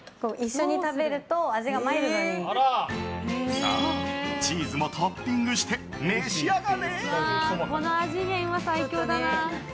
さあ、チーズもトッピングして召し上がれ！